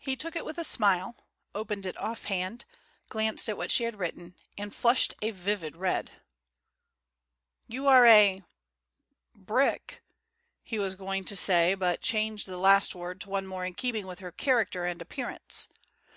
He took it with a smile, opened it offhand, glanced at what she had written, and flushed a vivid red. "You are a brick," he was going to say, but changed the last word to one more in keeping with her character and appearance.